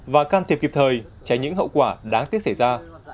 và can thiệp kịp thời tránh những hậu quả đáng tiếc xảy ra